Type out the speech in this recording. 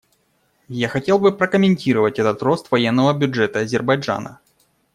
Я хотел бы прокомментировать этот рост военного бюджета Азербайджана.